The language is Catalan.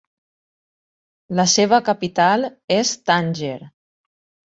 La seva capital és Tànger.